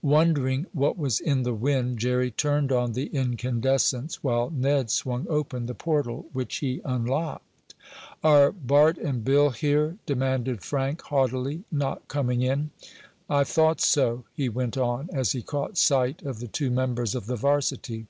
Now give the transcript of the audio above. Wondering what was in the wind Jerry turned on the incandescents, while Ned swung open the portal which he unlocked. "Are Bart and Bill here?" demanded Frank, haughtily, not coming in. "I thought so," he went on, as he caught sight of the two members of the varsity.